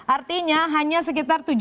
artinya hanya sekitar